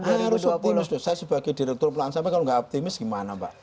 saya harus optimis saya sebagai direktur pelayanan sampai kalau tidak optimis bagaimana pak